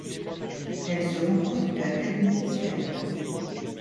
Elle se rencontre vers Kalininskaya.